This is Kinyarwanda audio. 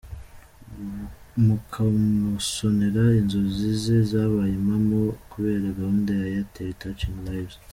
Mukamusonera izozi ze zabaye impamo kubera gahunda ya Airtel Touching Lives.